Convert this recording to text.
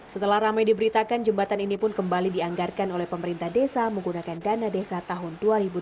setelah ramai diberitakan jembatan ini pun kembali dianggarkan oleh pemerintah desa menggunakan dana desa tahun dua ribu dua puluh